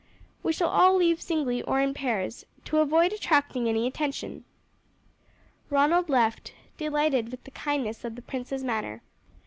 We shall all leave singly or in pairs, to avoid attracting any attention." Ronald left, delighted with the kindness of the prince's manner.